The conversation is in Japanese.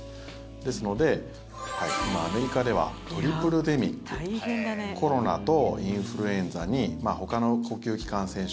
ですので今、アメリカではトリプルデミックコロナとインフルエンザにほかの呼吸器感染症